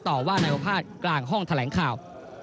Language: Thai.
ต่อว่านายโอภาษณ์กลางห้องแถลงข่าว